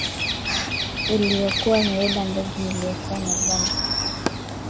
aa iliyokuwa imebeba ndege iliyokuwa imebaba misaada